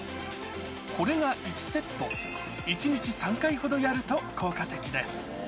これが１セット、１日３回ほどやると効果的です。